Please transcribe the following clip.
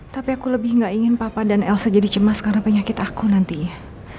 tapi aku lebih gak ingin papa dan elsa jadi cemas karena penyakit aku nanti ya